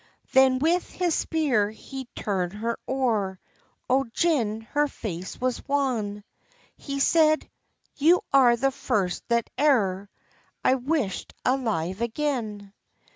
Then with his spear he turn'd her o'er, Oh, gin her face was wan! He said—"You are the first that e'er I wish'd alive again."